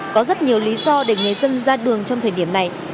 có rất nhiều lý do để người dân ra đường trong thời điểm này